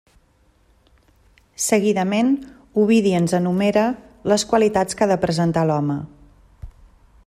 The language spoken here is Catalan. Seguidament Ovidi ens enumera les qualitats que ha de presentar l'home.